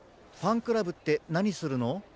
ファンクラブってなにするの？